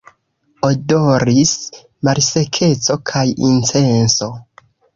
Odoris malsekeco kaj incenso.